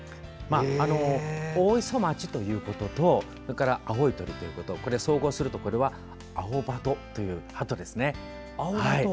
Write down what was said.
大磯町ということと青い鳥ということを総合すると、これはアオバトというハトですね。